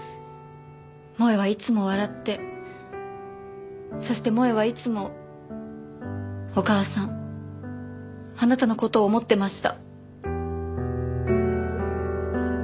萌絵はいつも笑ってそして萌絵はいつもお母さんあなたの事を思ってました。